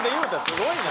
すごいな。